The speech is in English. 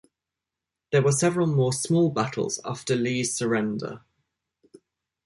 There were several more small battles after Lee's surrender.